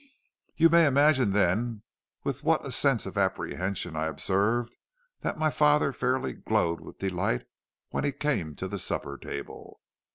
"You may imagine then with what a sense of apprehension I observed that my father fairly glowed with delight when he came to the supper table.